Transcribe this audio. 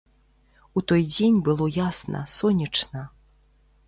У той дзень было ясна, сонечна.